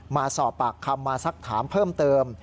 มาสอบปากคำมาสักถามเพิ่มเติม